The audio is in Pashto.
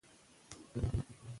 د تادیوش یادښتونه ډېر باوري دي.